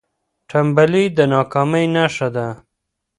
ټنبلي د ناکامۍ نښه ده.